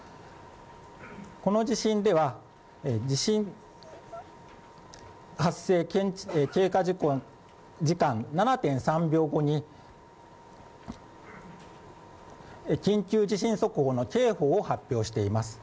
この地震では地震発生経過時間７．３秒後に緊急地震速報の警報を発表しています。